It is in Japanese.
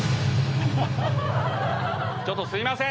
ちょっとすいません！